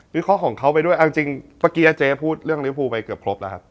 เคาะของเขาไปด้วยเอาจริงเมื่อกี้อาเจ๊พูดเรื่องลิวภูไปเกือบครบแล้วครับ